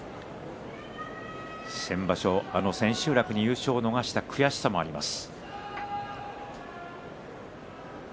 先場所、千秋楽に優勝を逃した悔しさもあります。